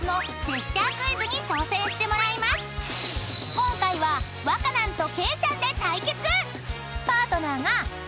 ［今回はわかなんとケイちゃんで対決！］